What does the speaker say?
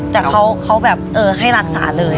แต่เขาแบบเออให้รักษาเลย